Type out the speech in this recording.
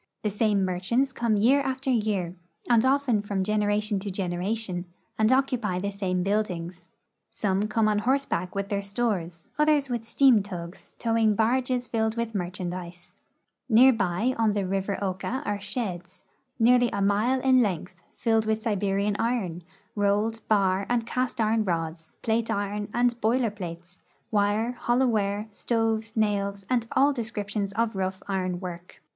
The same merchants come year after year, and often from gen eration to generation, and occupy the same buildings. Some come on horseback with their stores, others with steam tugs towing barges filled with merchandise. Near by on the rivpr Oka are sheds, nearly a mile in length, filled with Siberian iron, rolled, bar, and cast iron rods, plate iron, and boiler plates, wire, hollow ware, stoves, nails, and all descriptions of rough iron work.